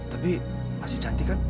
tapi masih cantik kan